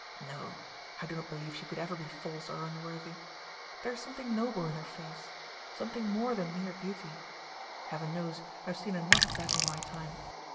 No; I do not believe she could ever be false or unworthy. There is something noble in her face something more than mere beauty. Heaven knows, I have seen enough of that in my time.